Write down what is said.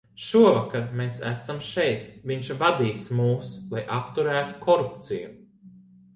Šovakar mēs esam šeit, viņš vadīs mūs, lai apturētu korupciju.